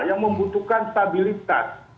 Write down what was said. yang membutuhkan stabilitas